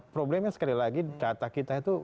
problemnya sekali lagi data kita itu